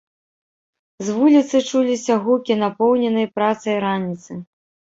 З вуліцы чуліся гукі напоўненай працай раніцы.